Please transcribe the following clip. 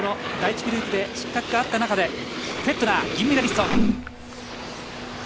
第１グループで失格があった中でフェットナー、銀メダリスト。